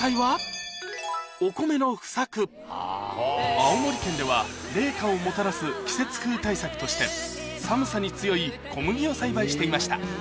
青森県では冷夏をもたらす季節風対策として寒さに強い小麦を栽培していました